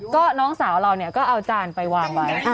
ก็น้องสาวเราเนี่ยก็เอาจานไปวางไว้